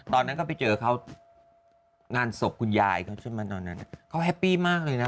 แต่ถ้าใช่จริงก็ดูเหมาะนะคะน่ารักดี